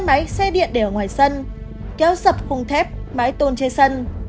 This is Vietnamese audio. máy xe điện để ở ngoài sân kéo dập khung thép máy tôn chế sân